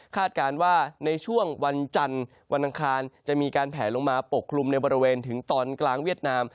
การว่าในช่วงวันจันทร์วันอังคารจะมีการแผลลงมาปกคลุมในบริเวณถึงตอนกลางเวียดนาม